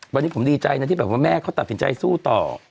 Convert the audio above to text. วันนี้ผมดีใจนะที่แบบว่าแม่เขาตัดสินใจสู้ต่อ